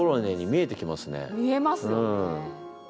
見えますよね。